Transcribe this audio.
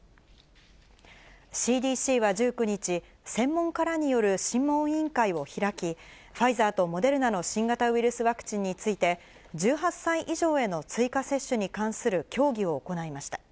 ＣＤＣは１９日、専門家らによる諮問委員会を開き、ファイザーとモデルナの新型ウイルスワクチンについて、１８歳以上への追加接種に関する協議を行いました。